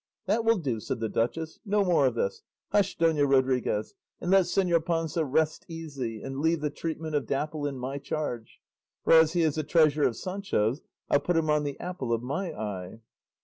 "That will do," said the duchess; "no more of this; hush, Dona Rodriguez, and let Señor Panza rest easy and leave the treatment of Dapple in my charge, for as he is a treasure of Sancho's, I'll put him on the apple of my eye."